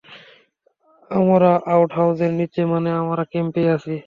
আমরা আউটহাউজের নিচে, মানে আমরা ক্যাম্পেই আছি।